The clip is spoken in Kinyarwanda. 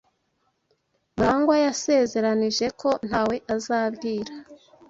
Murangwa yansezeranije ko ntawe azabwira.